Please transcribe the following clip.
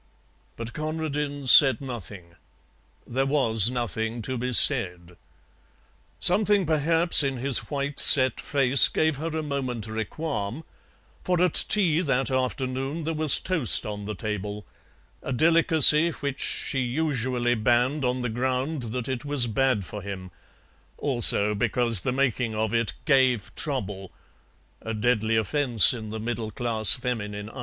But Conradin said nothing: there was nothing to be said. Something perhaps in his white set face gave her a momentary qualm, for at tea that afternoon there was toast on the table, a delicacy which she usually banned on the ground that it was bad for him; also because the making of it "gave trouble," a deadly offence in the middle class feminine eye.